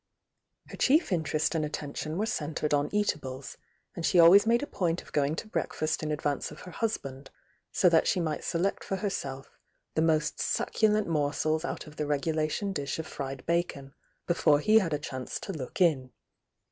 Her chief interest and attention were centred on eatables, and she al ways made a point of going to breakfast in advance of her husband, so that she might select for herself the niost succulent morsels out of the regulation dish of fried bacon, before he had a chance to look in.